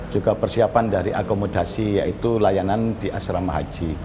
juga persiapan dari akomodasi yaitu layanan di asrama haji